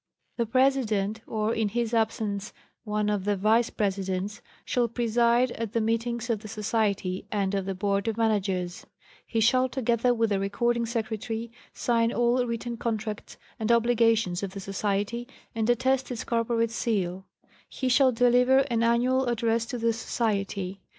The President, or, in his absence, one of the Vice Presidents, shall preside at the meetings of the Society and of the Board of Managers; he shall, together with the Recording Secretary, sign all written contracts and obligations of the Society, and attest its corporate seal ; he shall deliver an annual address to the Society.